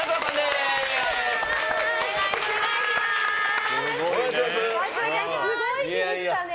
すごい日に来たね。